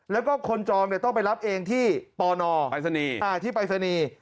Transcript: แล้วก็คนจองต้องไปรับเองที่ปนที่ปรายศนีย์